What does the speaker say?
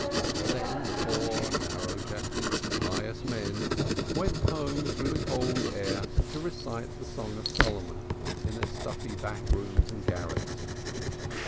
Then the poor narrow chested pious men went home through the cold air to recite the Song of Solomon in their stuffy back rooms and garrets.